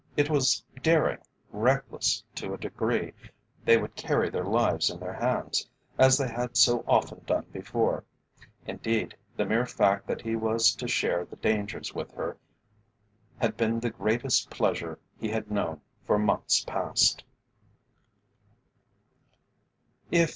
It was daring, reckless to a degree; they would carry their lives in their hands, as they had so often done before; indeed, the mere fact that he was to share the dangers with her had been the greatest pleasure he had known for months past.